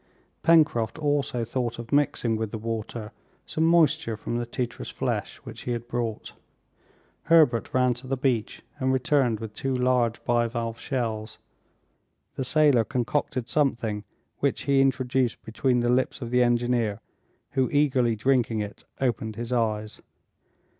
Pencroft also thought of mixing with the water some moisture from the titra's flesh which he had brought. Herbert ran to the beach and returned with two large bivalve shells. The sailor concocted something which he introduced between the lips of the engineer, who eagerly drinking it opened his eyes.